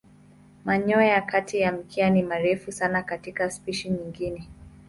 Manyoya ya kati ya mkia ni marefu sana katika spishi nyingine.